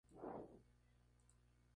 Publicó estudios de historia literaria.